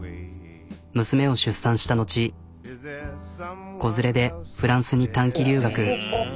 娘を出産した後子連れでフランスに短期留学。